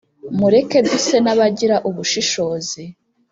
Mureke duse n abagira ubushishozi